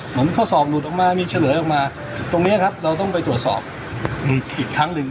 ข้อสอบหลุดออกมามีเฉลยออกมาตรงนี้ครับเราต้องไปตรวจสอบอีกครั้งหนึ่ง